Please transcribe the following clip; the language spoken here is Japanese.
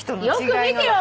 よく見てよ！